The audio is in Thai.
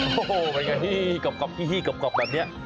พระพุทธห็ววประกวดวัดแบบนี้